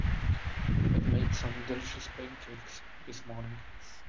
I've made some delicious pancakes this morning.